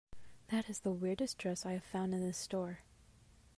That is the weirdest dress I have found in this store.